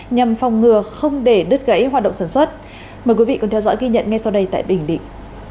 nhằm phòng ngừa không để đứt gãy hoạt động sản xuất mời quý vị cùng theo dõi ghi nhận ngay sau đây tại bình định